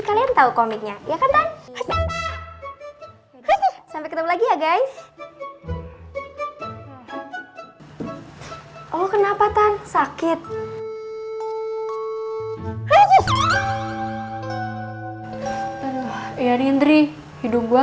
kalian tahu komiknya ya kan sampai ketemu lagi ya guys oh kenapa tan sakit ya nindri hidung gua